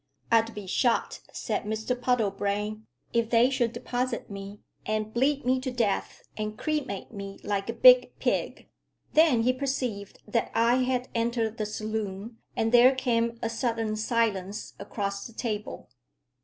"I'd be shot," said Mr Puddlebrane, "if they should deposit me, and bleed me to death, and cremate me like a big pig." Then he perceived that I had entered the saloon, and there came a sudden silence across the table.